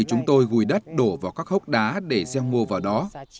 chúng tôi gùi đất đổ vào các hốc đá để gieo ngô vào đó